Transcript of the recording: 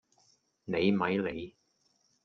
你咪理